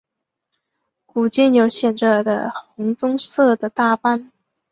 股间有显着的红棕色的大斑。